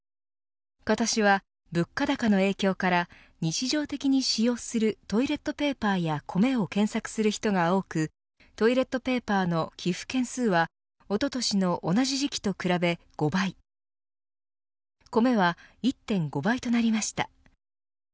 今年は、物価高の影響から日常的に使用するトイレットペーパーや米を検索する人が多くトイレットペーパーの寄付件数はおととしの同じ時期と比べ５倍米は１．５倍となりました。